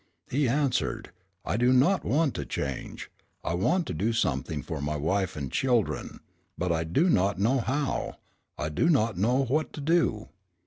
He answered: "I do want to change. I want to do something for my wife and children; but I do not know how, I do not know what to do."